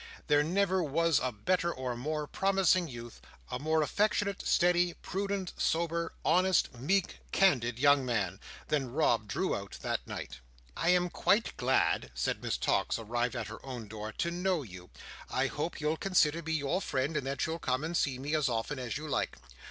There never was a better or more promising youth—a more affectionate, steady, prudent, sober, honest, meek, candid young man—than Rob drew out, that night. "I am quite glad," said Miss Tox, arrived at her own door, "to know you. I hope you'll consider me your friend, and that you'll come and see me as often as you like.